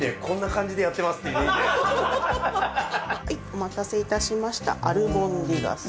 お待たせいたしましたアルボンディガス。